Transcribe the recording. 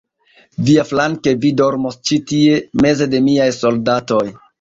Viaflanke, vi dormos ĉi tie, meze de miaj soldatoj.